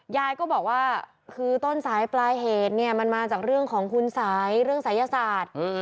ยายก็บอกว่าคือต้นสายปลายเหตุเนี่ยมันมาจากเรื่องของคุณสัยเรื่องศัยศาสตร์